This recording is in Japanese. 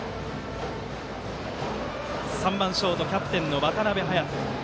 ３番ショートのキャプテンの渡邊颯人。